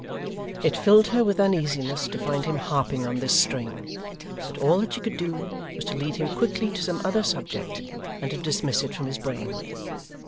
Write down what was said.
It filled her with uneasiness to find him harping on this string, but all that she could do, was to lead him quickly to some other subject, and to dismiss it from his brain.